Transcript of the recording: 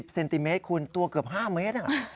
เซนติเมตรคุณตัวเกือบ๕เมตร